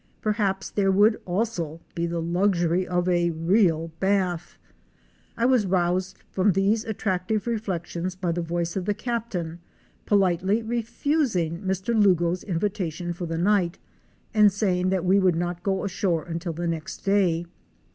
Perhaps there would also be the luxury of a real bath. I was roused from these attractive reflections by the voice of the Captain politely refusing Mr. Lugo's invitation for the night, and saying that we would not go ashore until the next day.